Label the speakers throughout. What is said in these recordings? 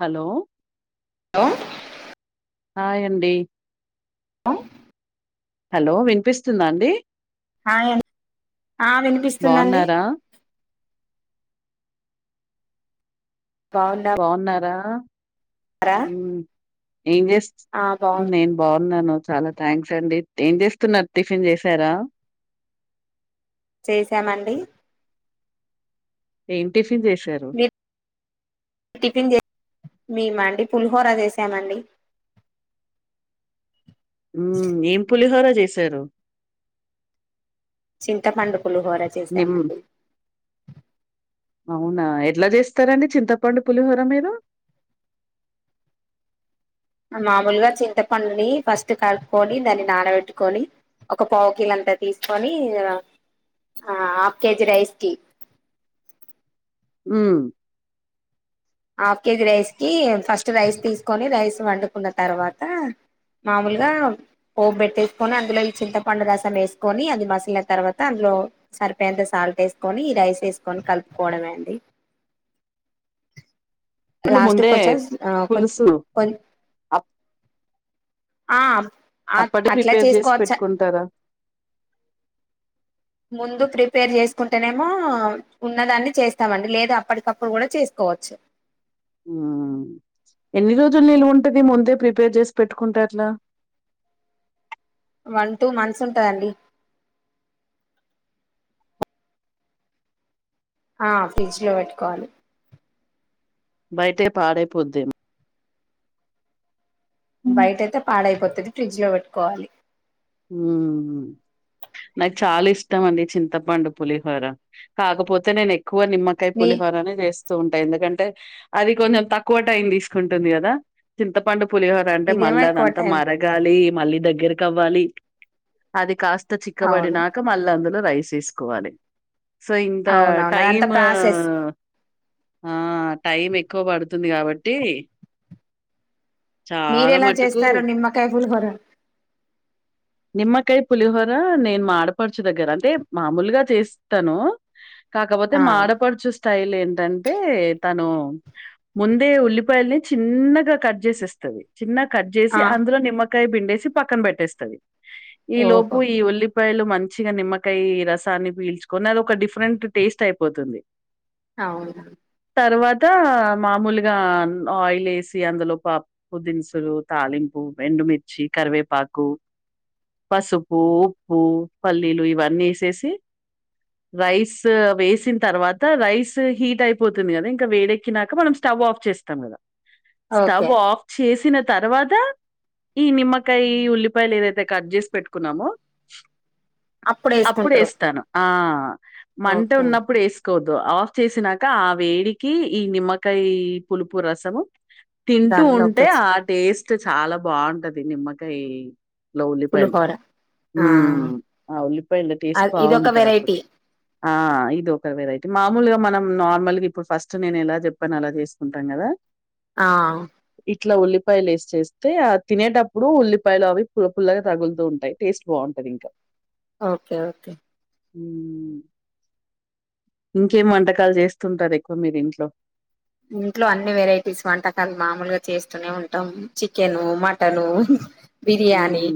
Speaker 1: Hello
Speaker 2: hello
Speaker 1: hi అండి
Speaker 2: హ
Speaker 1: hello వినిపిస్తుందా అండి
Speaker 2: హాయ్ అండ్ ఆ వినిపిస్తుందండి
Speaker 1: బావున్నారా? బాగున్నారా ఆ ము ఏం చేస్తూ
Speaker 2: ఆ బాగు
Speaker 1: నేను బాగున్నాను చాలా థ్యాంక్స్ అండి ఏం చేస్తున్నారు టిఫిన్ చేశారా
Speaker 2: చేసామండి
Speaker 1: ఏం టిప్ టి వేసారు
Speaker 2: మీరు మేమ అండి పులిహోర చేసామండి
Speaker 1: ఊ ఏం పులిహోర ఎసారు
Speaker 2: చింతపండు పులిహోర చేసాము అండి
Speaker 1: అవునా ఎట్లా చేస్తారండి చింతపండు పులిహోర మీరు
Speaker 2: మామూలుగా చింతపండుని ఫస్ట్ కలుపుకొని దాన్ని నానబెట్టుకొని, ఒక పావు కిల అంతా తీసుకొని హాఫ్ కేజీ రైస్ కి
Speaker 1: హుమ్
Speaker 2: హాఫ్ కేజీ రైస్కి ఫస్ట్ రైస్ తీసుకొని రైస్ వండుకున్న తర్వాత మామూలుగా పోపు పెట్టేసుకుని, అందులో చింతపండు రసం వేసుకొని అది మసిలిన తర్వాత అందులో సరిపోయేంత సాల్ట్ వేసుకొని ఈ రైస్ వేసుకొని కలుపుకోవడంమే అండి,
Speaker 1: పండు
Speaker 2: లాస్ట్
Speaker 1: ముందే
Speaker 2: కొంచెం ఆ కొన్
Speaker 1: పులుసు
Speaker 2: కొన్ ఆ
Speaker 1: అప్పటి
Speaker 2: అట్లా
Speaker 1: ప్రిపేర్ చేసి
Speaker 2: చేసుకోవచ్చ
Speaker 1: పెట్టుకుంటారా
Speaker 2: ముందు ప్రిపేర్ చేసుకుంటేనేమో ఉన్నదాన్ని చేస్తామండి లేదు అప్పటికప్పుడు కూడా చేసుకోవచ్చు,
Speaker 1: హు ఎన్ని రోజులు నిలువ ఉంటది ముందే ప్రిపేర్ చేసి పెట్టుకుంటే అట్లా,
Speaker 2: వన్ టూ మంత్స్ ఉంటదండి ఆ ఫ్రిడ్జ్ లో పెట్టుకోవాలి
Speaker 1: బయటే పాడైపోద్దేమో హ్మ్.
Speaker 2: బయట అయితే పాడై పోతది ఫ్రిడ్జ్ లో పెట్టుకోవాలి
Speaker 1: హుమ్ నాకు చాలా ఇష్టం అండి చింతపండు పులిహోర, కాకపోతే నేను ఎకు ఎక్కువ నిమ్మకాయ
Speaker 2: మీ
Speaker 1: పులిహోరనే చేస్ సు ఉంటా ఎందుకంటే అది కొంచెం తక్కువ టైం తీసుకుంటుంది కదా చింతపండు పులిహోర అంటే
Speaker 2: ఇదేమో
Speaker 1: మల్ల అది
Speaker 2: ఎక్కువ
Speaker 1: అంత
Speaker 2: టైం
Speaker 1: మరగాలి మళ్ళీ దగ్గరికి అవ్వాలి అది కాస్ త
Speaker 2: అవును
Speaker 1: చిక్కబడినాక మల్ల అందులో రైస్ వేసుకోవాలి సో ఇంత
Speaker 2: అవునవును అదంతా
Speaker 1: టైమ్
Speaker 2: ప్రాసెస్
Speaker 1: ఆ టైం ఎక్కువ పడుతుంది కాబట్టి చాలా
Speaker 2: మీరెలా
Speaker 1: మటుకు
Speaker 2: చేస్తారు నిమ్మకాయ పులిహోర
Speaker 1: నిమ్మకాయ పులిహోర నేను మా ఆడపడుచు దగ్గర అంటే మామూలుగా చేస్తాను కాకపోతే
Speaker 2: ఆ
Speaker 1: మా ఆడపడుచు స్టైల్ ఏంటంటే తను ముందే ఉల్లిపాయల్ని చిన్నగా కట్ చేసేసిస్తది చిన్న కట్ చేసి
Speaker 2: ఆ
Speaker 1: అందులో నిమ్మకాయ పిండేసి వచ్చి పక్కన పెట్టేస్తది ఈ లోపు
Speaker 2: ఓహో
Speaker 1: ఈ ఒల్లి ఉల్లిపాయలు మంచిగా నిమ్మకాయ రసాన్ని పీల్చుకొని అది ఒక డిఫరెంట్ టేస్ట్ అయిపోతుంది
Speaker 2: అవును
Speaker 1: తర్వాత మామూలుగా ఆయిల్ వేసి అందులో పాప్పు దినుసులు తాలింపు ఎండుమిర్చి కరివేపాకు పసుపు ఉప్పు పల్లీలు ఇవన్నీ వేసేసి రైస్ వేసిన తర్వాత రైస్ హీట్ అయిపోతుంది కదా ఇంకా వేడెక్కినాక మనం స్టవ్ ఆఫ్ చేస్తాం కదా
Speaker 2: ఓకే
Speaker 1: స్టవ్ ఆఫ్ చేసిన తర్వాత ఈ నిమ్మకాయ ఉల్లి పాయలు ఏదైతే కట్ చేసి పెట్టుకున్నామో
Speaker 2: అప్పుడు
Speaker 1: అప్పుడ
Speaker 2: వేసుకుంటారు
Speaker 1: వేస్తాను ఆ మంట
Speaker 2: ఓకే
Speaker 1: ఉన్నప్పుడు వేసుకోవ ఆఫ్ చేసినాక ఆ వేడికి ఈ నిమ్మకాయ పులుపు రసము తింటూ
Speaker 2: దానిలోకి
Speaker 1: ఉంటే
Speaker 2: వచ్చి
Speaker 1: ఆ టేస్ అే చాలా బాగుంటది నిమ్మకాయ్ లో ఉల్లిపాయలు
Speaker 2: పులిహోర
Speaker 1: హు
Speaker 2: ఆ
Speaker 1: ఆ ఉల్లిపాయల టేస్ట్
Speaker 2: అది ఇదొక
Speaker 1: బాగుంటాది అప్పుడు
Speaker 2: వెరైటీ
Speaker 1: ఆ ఇది ఒక వెరైటీ మామూలుగా మనం నార్మల్గా ఇప్పుడు ఫస్ట్ నేను ఎలా చెప్పాను అలా చేసుకుంటాం కదా
Speaker 2: ఆ
Speaker 1: ఇట్లా ఉల్లిపాయలు వేసి చేస్తే ఆ తినేటప్పుడు ఉల్లిపాయలు అవి పు పుల్లగా తగులుతూ ఉంటాయి టేస్ట్ బాగుంటది ఇంకా
Speaker 2: ఓకే ఓకే
Speaker 1: ఇంకేం వంటకాలు చేస్తుంటారు ఎక్కువ మీరు ఇంట్లో
Speaker 2: ఇంట్లో అన్ని వెరైటీస్ వంటకాలు మామూలుగా చేస్తూనే ఉంటాం చికెను మటను బిర్యానీ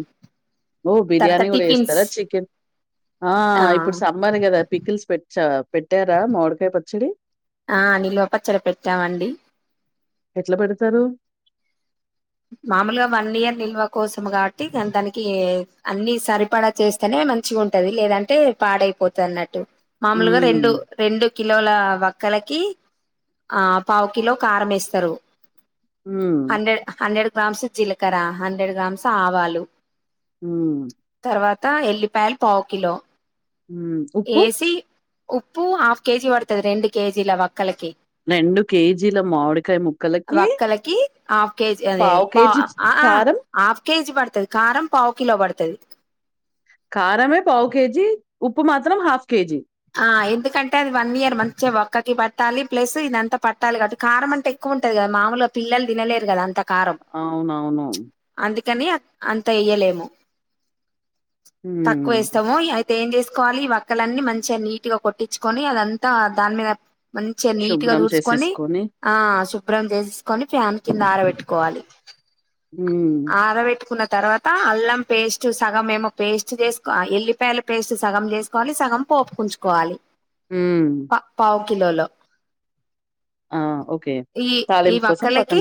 Speaker 1: ఓ
Speaker 2: తర్వాత
Speaker 1: బిర్యానీ కూడా
Speaker 2: టిఫిన్స్
Speaker 1: వేస్తారా చికెన్ ఆ ఇప్పుడు సమ్మర్ కదా పికిల్స్ పెచ్చా పెట్టారా మామిడికాయ పచ్చడి
Speaker 2: ఆ నిీ లోపచ్చడీ పెట్టామండి
Speaker 1: ఎట్లా పెడతారు
Speaker 2: మామూలుగా వన్ ఇయర్ నిల్వ కోసం కాబట్టి దానికి అన్ని సరిపడా చేస్తేనే మంచిగా ఉంటది లేదంటే పాడైపోతుంది అన్నట్టు మామూలుగా రెండు
Speaker 1: హ్మ్.
Speaker 2: రెండు కిలోల క్కలకి ఆ పావుకిలో కారం వేస్తారు
Speaker 1: హ
Speaker 2: హండ్రెడ్ హండ్రెడ్ గ్రామ్స్ జీలకర హండ్రెడ్ గ్రామ్స్ ఆవాలు
Speaker 1: హు
Speaker 2: త్తా ఎల్లిపాయల్ పావు కిలో
Speaker 1: ఉ ఉప్పు
Speaker 2: వేసి ఉప్పు హాఫ్ కేజి వడుతది రెండు కేజి లావ
Speaker 1: రెండు కేజీల మామిడికాయ ముక్కలకీ
Speaker 2: కేజి అదే పౌ ఆఆ హఫ్ కేజ్ కేజీ పడుతుంది కారం పావు కిలో పడతది
Speaker 1: కారమే పావు కేజీ ఉప్పు మాత్రం హాఫ్ కేజీ
Speaker 2: ఆ ఎందుకంటే అది వన్ ఇయర్ మంచిగా వక్కకి పట్టాలి ప్లస్ ఇదంతా పట్టాలి కట్టి కారం అంటే ఎక్కువ ఉంటుంది కదా మామూలు పిల్లలు తినలేరు కదా అంతా
Speaker 1: అవునవును
Speaker 2: కాని అంత ఏయ్యలేము తక్కువ
Speaker 1: హ్మ్.
Speaker 2: వేస్తాముో ఏం చేకోవాలి ఈ వక్కలన్నీ మంచి నీట్ గా కొట్టించుకొని అదంతా దాని మీద మంచిగా నీట్గా
Speaker 1: శుభ్రం
Speaker 2: దుడ్స్కొని
Speaker 1: చేసేసుకొని
Speaker 2: కొని ఆ చు శుబ్రం చేసేసుకొని ఫ్యాన్ కింద ఆరబెట్టుకోవాలి
Speaker 1: హ్మ్.
Speaker 2: ఆర వెట్టుకున్నా తర్వాత అల్లం పేస్ట్ సగం ఏమో పేస్ట్ చేసుకో ఎల్లిపాయల పేస్ట్ సగం చేసుకోవాలి సగం పోపు కుంచుకోవాలి
Speaker 1: మ్మ్
Speaker 2: కిలో లో
Speaker 1: ఓకే.
Speaker 2: ఈ ఈ
Speaker 1: తాలింపు కోసం పక్కన
Speaker 2: వక్కలకి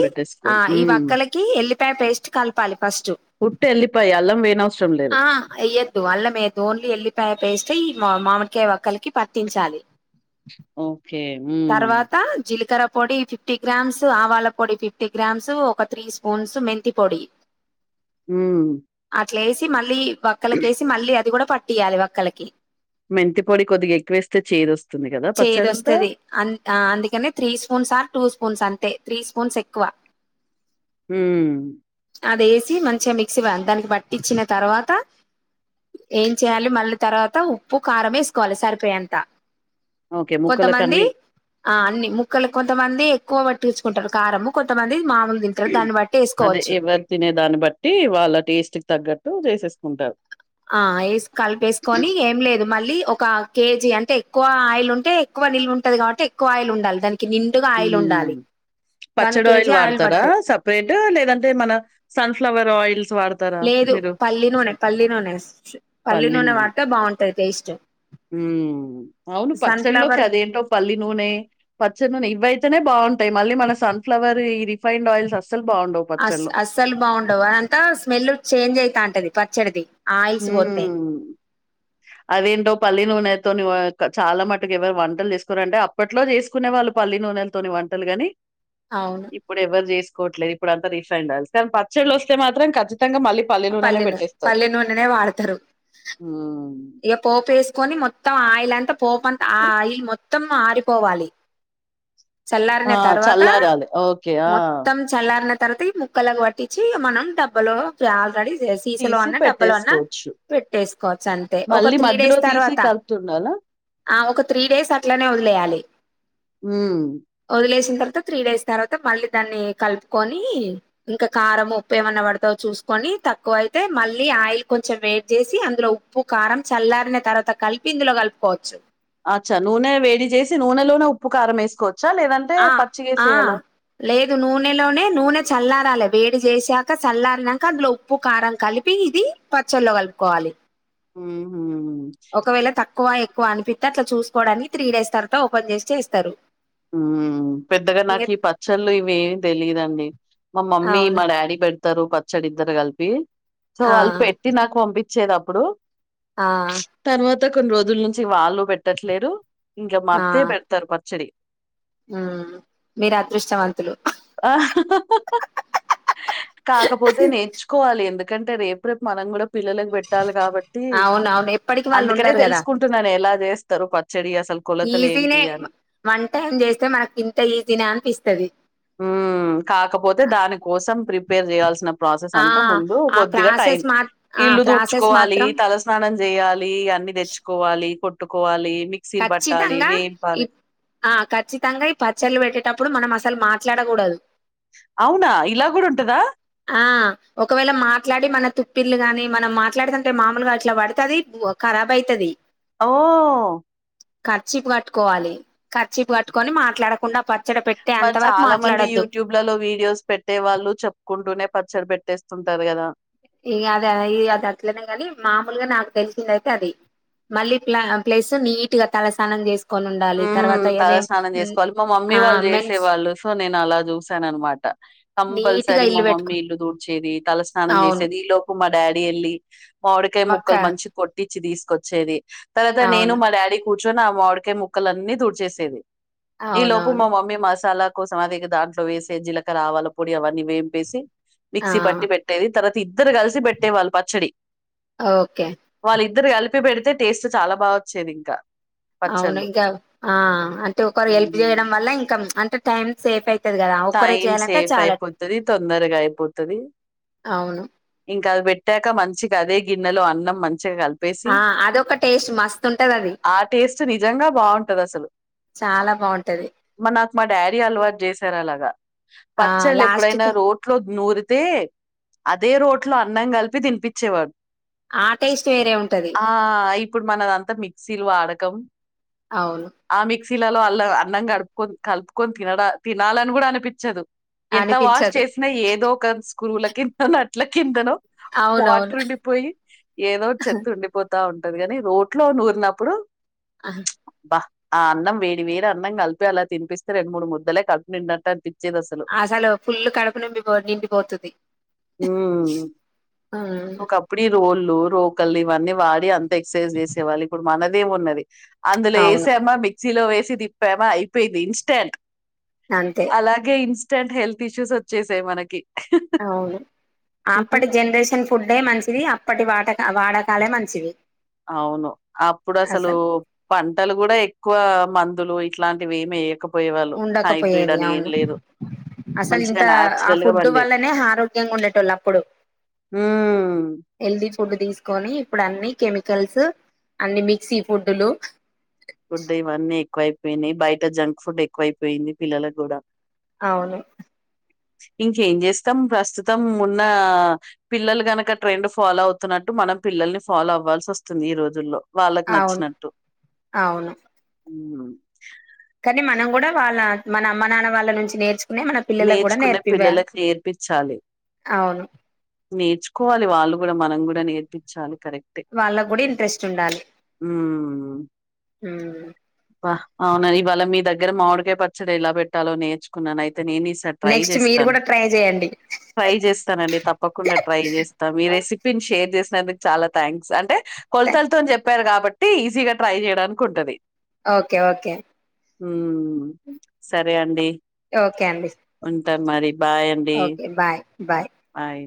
Speaker 2: ఆ
Speaker 1: పెట్టేసుకోవాలి.
Speaker 2: ఈ
Speaker 1: హ్మ్.
Speaker 2: వక్కలకి ఎల్లిపాయ పేస్ట్ కలపాలి ఫస్ట్
Speaker 1: అలం వేయనావ
Speaker 2: ఆ ఎయ్యొద్దు అల్ మేయొద్దు ఓన్లీ ఎల్లిపయ పేస్ట్ ఈ మా మామి ఒకే వక్కలకి పట్టించాలి
Speaker 1: ఓకే మ్మ్
Speaker 2: తర్వాత జీలకర్ర పొడి ఫిఫ్టీ గ్రామ్స్ ఆవాల పొడి ఫిఫ్టీ గ్రామ్స్ ఒక త్రీ స్పూన్స్ మెంతి పొడి
Speaker 1: మ్మ్
Speaker 2: క్లేస్ ట్టి మళ్ళీ వక్కలకేసి మళ్ళీ అది కూడా పట్ట పట్టియాలి వక్కలకి
Speaker 1: మెంతి పొడి కొద్దిగా ఎక్కువేస్తే చేదొస్తుంది కదా! పచ్చడంతా.
Speaker 2: చేదొస్తది అం ఆ అందుకనే three spoons or two spoons అంతే త్రీ స్పూన్స్ ఎక్కువ
Speaker 1: మ్మ్
Speaker 2: అదేసి మంచిగా మిక్సీ వ దానికి బట్టి ఇచ్చిన తర్వాత ఏం చేయాలి మళ్ళీ తర్వాత ఉప్పు కారం ఏసుకోవాలి సరిపోయే అంత
Speaker 1: ఓకే.
Speaker 2: కొంతమంది
Speaker 1: ముక్కలకన్నీ
Speaker 2: ఆ అన్ని ముక్కలు కొంతమంది కువబాట్టించుకుంటారు కారము కొంతమంది మామూలు తింటారు దాన్ని బట్టి
Speaker 1: అదే
Speaker 2: వేసుకోవచ్చు
Speaker 1: ఎవరు తినేదాన్ని బట్టి వాళ్ళ టేస్ట్ కి తగ్గట్టు చేసేస్ ఉంటారు
Speaker 2: ఆ ఎస్ కలిపేసుకొని ఏం లేదు మళ్ళీ ఒక కేజీ అంటే ఎక్కువ ఆయిల్ ఉంట టే ఎక్కువ నిల్వ ఉంటది కాబట్టి ఎకువ ఆయిల్ ఉండాలి దానికి నిండుగా ఆయిల్ ఉండాలి
Speaker 1: ఉమ్
Speaker 2: వన్
Speaker 1: పచ్చడి ఆయిల్
Speaker 2: కేజీ
Speaker 1: వాడతారా
Speaker 2: పడతది
Speaker 1: సపరేట్ లేదంటే మన సన్ఫ్లవర్ ఆయిల్స్ వాడతారా
Speaker 2: లేదు
Speaker 1: మీరు
Speaker 2: పల్లి నూనె పల్లి నూనె పల్లి నూనె వాడితే బాగుం తే టేస్ట్
Speaker 1: ఊమ్ అవును పచ్చళ్లోకి
Speaker 2: సన్ఫ్లవర్
Speaker 1: అదేంటో పల్లీ నూనె పచ్చ నూనె ఇవ్వై తే నే బావుంటాయి మళీ మన సన్ ఫ్లవర్ ఈ రిఫైండ్ ఆయిల్స్స్ వస్
Speaker 2: అస్ అస్సలు బాగుండవు అంతా స్మెల్ చేంజ్ ఐతన్టది పచ్చడది
Speaker 1: ఊమ్ అదేంటో పల్లి నూనెతోని చాలా మటకు ఎవరు వంటలు చేసుకోర అంటే అప్పట్లో చేసుకునే వాళ్ళు పల్లీ నూనెలతోని వంటలుగాని
Speaker 2: అవును
Speaker 1: ఇప్పుడు ఎవరు చేసుకోవట్లేదు ఇప్పుడంతా రిఫైడ్ ఆయిల్ కానీ పచ్చళ్ళ వస్తె మాత్రం కచ్చి ఖతంగా మళ్ళీ పల్లినూనేనే పెటిస్తారు
Speaker 2: నేనే వాడతారు ఇక పోపు వేసుకొని మొత్తం ఆయిలంతా పోప అంత ఆ అయిల్ మొత్త మొత్తం ఆరిపోవాలి
Speaker 1: ఆ!
Speaker 2: చల్లారిన తర్వాత
Speaker 1: చల్లారాలి. ఓకే. ఆ!
Speaker 2: మొత్తం చల్లారిన తర్వాత ఈ ముక్కలకుగా పట్టించి మనం డబ్బలో ఆల్రెడీ సీసలో
Speaker 1: తీసి
Speaker 2: అన్నా డబ్బలన్నా
Speaker 1: పెట్టేసుకోవచ్చు.
Speaker 2: పెట్టేసుకోవచ్చు అన్ తే ఒక
Speaker 1: మళ్ళీ
Speaker 2: త్రి డేస్
Speaker 1: మధ్యలో తీసి
Speaker 2: తర్వాత
Speaker 1: కలుపుతుండాలా?
Speaker 2: ఆ ఒక త్రి డేస్ అట్లనే వదిలేయాలి
Speaker 1: హ్మ్.
Speaker 2: ఒ లేసిన తర్వాత త్రీ డేస్ తర్వాత మళ్ళీ దాన్ని కలుపుకొని ఇంకా కారం ఉప్పు ఏమన్నా పడత చూసుకని తక్కువ అయితే మళ్ళ ఆయిల్ కొంచెం వెడ్ చేసి అందులో ఉ ఉప్పు కారం చల్లారిన తర్వాత కలిపి ఇందులో కలుపుకోవచ్చు
Speaker 1: అచ్చా నూనె వేడి చేసి నూనెలోనే ఉప్పు కారం వేసుకో
Speaker 2: ఆ ఆ లేదు నూనెలోనే నూనె చల్ల రాలే వేడి చేసాక చల్లారినక అందులో ఉప్పు కారం కలిపి ఇది పచ్చల్లో కలుపుకోవాలి
Speaker 1: ఊహ్మ్
Speaker 2: ఒకవేళ తక్ తక్కువ ఎక్కువ అనిపిస్తతే అట్లా చూసుకోవడానికి త్రీ డేస్ తర్వాత ఓపెన్ చేసి చేస్తారు.
Speaker 1: ఊమ్ పెద్దగా
Speaker 2: ఇంగ
Speaker 1: నాకు ఈ పచ్చళ్ళు ఇవేమి తెలియదండి మా మమ్మీ
Speaker 2: అవును
Speaker 1: మా డాడీ పెట్ ఇద్దరు పచ్చడి ఇద్దర్ కలిపి సొ
Speaker 2: ఆ
Speaker 1: వాల్ పెట్టి నాక్ వంపి చ్చే దప్పుడు
Speaker 2: ఆ
Speaker 1: త్త కొన్ రోజుల్ నుంచి వాళ్ళు పెట్టట్లేదు ఇంక మా
Speaker 2: ఆ,
Speaker 1: అత్తే పెడ్తారు ప చ్చేరి
Speaker 2: ఉమ్ మీరు అదృష్టవంతులు
Speaker 1: కాకపోతే నేర్చుకోవాలి ఎందు కెంటే రేపు రేపు మనం కూడ పిల్లలకు పెట్టాలి కాబట్టి
Speaker 2: అవునవును ఎప్పటికి వాళ్ళు
Speaker 1: అందుకనే
Speaker 2: ఉండరు కదా
Speaker 1: తెలుస్ కుంటున్నాను ఎలా చేస్ తరూ ప చెడి అసల్ కొలతలేంటి
Speaker 2: ఈజీనే
Speaker 1: అని
Speaker 2: వన్ టైం చేస్తే మనకి ఇంత ఈజీనే అనిపిస్తుంది
Speaker 1: హుమ్ కాకపొతే దానికోసం ప్రిపేర్ చేయాల్సిన ప్రాసెస్
Speaker 2: ఆ
Speaker 1: అంత ముందు
Speaker 2: ఆ
Speaker 1: కొద్దిగా టైం
Speaker 2: ప్రాసెస్ మా ఆ
Speaker 1: ఇల్లు
Speaker 2: ప్రాసెస్
Speaker 1: దుడ్చుకోవాలీ
Speaker 2: మాత్రం
Speaker 1: తలస్నానం దెయ్యాల్ ఈ అన్ని తెచ్చుకోవాలి పొట్ ట్టుకోవాలి
Speaker 2: ఖచ్చితంగా ఈ ఆ ఖచ్చితంగా ఈ పచ్చళ్ళు పెట్టె టప్పుడు మనం అసల్ మాట్లాడకూడదు
Speaker 1: అవునా ఇలా కూడ ఉంటదా
Speaker 2: ఆ ఒకవేళ మాట్లాడి మన తుప్పిళ్లు గాని మనం మాట్లాడితుంటే మామూలుగా అట్లా పడుతది, ఖరాబ్ అయితది
Speaker 1: ఓ
Speaker 2: కర్చీపు కట్టుకోవాలి కర్చీపు కట్టుకొని మాట్లాడకుండా పట్
Speaker 1: మర్ చాలా మంది యూట్యూబ్ లలో వీడియోస్ పెట్టే వాళ్ళు చెప్కుంటూనే పచ్చడ్ పెట్టేస్తుంటార్ కదా
Speaker 2: ఇ అదెదె ఇ అది అట్లనే కాని మామూల్గ నాకు తెలిసిందయితే అది, మళ్ళీ ప్ల ప్లస్ నీట్ గా తలస్నానం చేసు
Speaker 1: హుమ్ తలస్నానం చేసుకోలి, మా మమ్మీ
Speaker 2: ఆ
Speaker 1: వాల్
Speaker 2: మెన్స్
Speaker 1: చేసేవాళ్ళు సొ నేన్ అలాచూసానన్మాట,
Speaker 2: నీట్గా
Speaker 1: కంపల్సరీ మా
Speaker 2: ఇల్లు పెట్టుకో
Speaker 1: మమ్మీ ఇల్లు తుడ్చేది తల స్నానం
Speaker 2: అవును
Speaker 1: చేసేది, ఈ లోప్ మా డ్యాడి ఎల్లి మామిడికాయ్
Speaker 2: వక్క
Speaker 1: ముక్కల్ మంచి కొట్టి చ్ తీసుకొచ్చేది తర్వాత నేను
Speaker 2: అవును
Speaker 1: మా డ్యాడి పుచ్చు నా మాడికాయ ముక్ ముక్కలన్నీ దూడ్చెసేది ఈ లోపు మా
Speaker 2: అవునవును
Speaker 1: మమ్మీ మసాలా కోసం అదె కద సొ వేసే జీలక రావాల పొడి అవన్నీ వేంపేసి
Speaker 2: ఆ
Speaker 1: మిక్సీ పట్టి పెట్టేది తర్వాత్ ఇద్దరు కల్సి పెట్టేవాళ్ళు పచ్చడి
Speaker 2: ఓకే
Speaker 1: ఇద్దరు కలిపి పెడితే టేస్ట్ చాలా బాగా వచ్చేది ఇంకా
Speaker 2: అవును
Speaker 1: పచ్చళ్లుు
Speaker 2: ఇంకా ఆ అంటే ఒకరు హెల్ప్ చేయడం వల్ల ఇంకా టే టైమ్ సేప్
Speaker 1: టైం సేఫ్ అయిపోతుంది తొందరగా అయిపోతుంది
Speaker 2: అవును
Speaker 1: ఇంకా అది పెట్టాక మంచి కా అదే గిన్నెలో అన్నం మం చిగ కలిపేసి
Speaker 2: ఆ అదొక టేస్ట్ మస్తు ఉంటది అది
Speaker 1: ఆ టేస్ట్ నిజంగా బాగుంటాది అసలు
Speaker 2: చాలా బాగుంటది
Speaker 1: నాకు మా డ్యాడి అలవాటు చే నాలాగా
Speaker 2: ఆ
Speaker 1: పచ్చళ్ళు
Speaker 2: లాస్ట్
Speaker 1: ఎప్పుడైనా
Speaker 2: కు
Speaker 1: రోట్లో నూరితే అదే రోట్లో అన్నం కలిపి తినిపిచ్చేవాడు
Speaker 2: ఆ టేస్ట్ వేరే ఉంటది
Speaker 1: ఆ ఇప్పుడు మనదంతా మిక్సీ టిల్ వాడకం
Speaker 2: అవును
Speaker 1: శీలలో అల్ల అన్నం కడుపుకొని కలుపుకొని తినడా తినాలని కూడా అనిపించదు ఎంత వాష్
Speaker 2: అనిపించదు
Speaker 1: చేసినా ఏదో ఓక కురువుల కింత అట్ల కిందనో
Speaker 2: అవునవును.
Speaker 1: వాటర్ ఉండిపోయి ఏదో చెత్త ఉండిపోతా ఉం ఉంటది గాని రోట్లో నూరినప్పుడు
Speaker 2: ఆ
Speaker 1: బ ఆ అన్నం వేడి వేడి అన్నం కలిపియాలా తినిపిస్తే రెండు మూడు ముద్దలే కడుపునిండెంత తి పిట్
Speaker 2: అసలు ఫుల్ కడపు నింమిపో నిండిపోతుంది
Speaker 1: ఉమ్ ఒకప్పుడు ఈ రోళ్ళు రోకలు ఇవన్నీ వాడి అంత ఎక్సర్సైజ్ చేసేవాళ్ళు ఇప్పుడు మనదేం ఉన్నది అందులో
Speaker 2: అవును.
Speaker 1: ఏసామ్మా మిక్సీలో వేస్ చి తిప్పమా అయిపోయింది ఇన్స్టెంట్
Speaker 2: అంతే.
Speaker 1: అలాగే ఇన్స్ స్టంట్ హెల్త్ ఇష్యూస్ వచ్చేసాయి మనకి
Speaker 2: అవును
Speaker 1: హుహు.
Speaker 2: అప్పటి జనరేషన్ ఫుడే మంచిది అప్పటి వాట వాడకాలే మంచివి
Speaker 1: అవును అప్పుడు అసలు పంటలు కూడా ఎక్కువ ఆ మందులు ఇట్లాంటివి ఏమి ఏయక
Speaker 2: ఉండకపోయేది అవును అసలు
Speaker 1: మంచిగా
Speaker 2: ఇంత ఆ
Speaker 1: నేచురల్‌గా
Speaker 2: ఫుడ్
Speaker 1: పండేవి.
Speaker 2: వల్లనే ఆరోగ్యంగా ఉండేట వాళ్ళు అప్పుడు
Speaker 1: హ్మ్.
Speaker 2: హెల్తీ ఫుడ్ తీసుకొని ఇప్పుడు అన్ని కెమికల్స్ అన్ని మిక్సీ ఫుడ్లు
Speaker 1: ఫుడ్ ఇవన్నీ ఎక్కువైపోయినాయి బయట జంక్ ఫుడ్ ఎక్కువైపోయింది పిల్లలకు కూడా
Speaker 2: అవును
Speaker 1: ఇంకేం చేస్తాం ప్రస్తుతం ఉన్న పిల్లలు గనక ట్రెండ్ ఫాలో అవుతున్నట్టు, మనం పిల్లల్ని ఫాలో అవ్వాల్సి వస్తుంది, ఈ రోజుల్లో వాళ్ళకి
Speaker 2: అవును.
Speaker 1: నచ్చినట్టు
Speaker 2: అవును
Speaker 1: ఉ
Speaker 2: కానీ మనం కూడా వాళ్ళ మన అమ్మ నాన్న వాళ్ళ నుంచి నేర్చు
Speaker 1: నేర్చుకునే పిల్లలలకు నేర్పించాలి
Speaker 2: అవును.
Speaker 1: నేర్చుకోవాలి వాళ్ళు కూడా మనం కూడా నేర్పించాలి కరెక్టే
Speaker 2: వాళ్ళకు కూడా ఇంట్రెస్ట్ ఉండాలి
Speaker 1: మ్మ్ బా అవునా ఇవాళ మీ దగ్గర మామిడికాయ పచ్చడి ఎలా పెట్టాలో నేర్చుకున్నాను అయితే నేను ఈసారి ట్రై
Speaker 2: నెక్స్ట్ మీరు
Speaker 1: చేస్తాను
Speaker 2: కూడా ట్రై చేయండి
Speaker 1: ట్రై చేస్తానండి తప్పకుండా ట్రై చేస్తాను మీ రెసిపీని షేర్ చేస్త నందుకు చాలా థ్యాంక్స్ అంటే కొలతలతో చెప్పి చెప్పారు కాబట్టి ఈజీగా ట్రై చేయడానికి ఉంటది
Speaker 2: ఓకే ఓకే
Speaker 1: ఉ సరే అండి
Speaker 2: ఓకే అండి
Speaker 1: మరి బాయ్ అండి
Speaker 2: ఓకే బాయ్ బాయ్
Speaker 1: బాయి